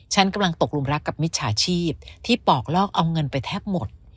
ฉันกำลังตกลุมรักกับมิจฉาชีพที่ปอกลอกเอาเงินไปแทบหมด